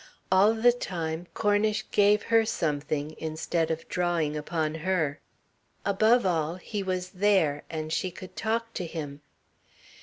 All the time Cornish gave her something, instead of drawing upon her. Above all, he was there, and she could talk to him.